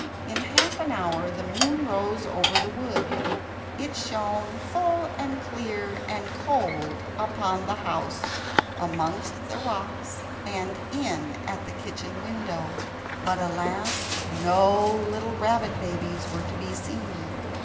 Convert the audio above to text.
In half an hour the moon rose over the wood. It shone full and clear and cold, upon the house, amongst the rocks, and in at the kitchen window. But alas, no little rabbit babies were to be seen!